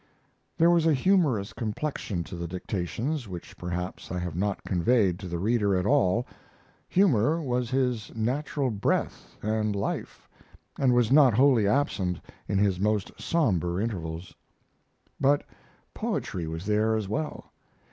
There was a humorous complexion to the dictations which perhaps I have not conveyed to the reader at all; humor was his natural breath and life, and was not wholly absent in his most somber intervals. But poetry was there as well.